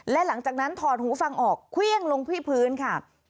และหลังจากนั้นถอดหูฟังออกเครื่องลงที่พื้นค่ะ